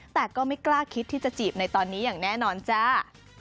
แต่ก็ไม่กล้าคิดที่จะจีบในตอนนี้อย่างแน่นอนจ้า